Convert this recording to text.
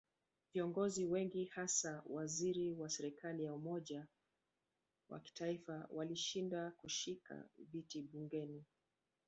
Viongozi wengi hasa mawaziri wa serikali ya umoja wa kitaifa walishindwa kushika viti bungeni.